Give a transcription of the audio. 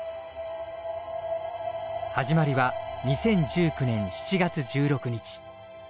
始まりは２０１９年７月１６日。